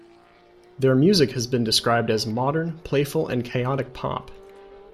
Their music has been described as modern, playful and chaotic pop.